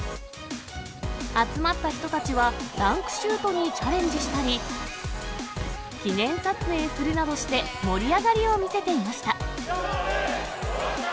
集まった人たちは、ダンクシュートにチャレンジしたり、記念撮影するなどして、盛り上がりを見せていました。